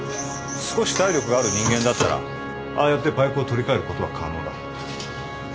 少し体力がある人間だったらああやってパイプを取り替えることは可能だ。